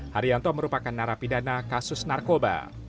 haryanto merupakan narapidana kasus narkoba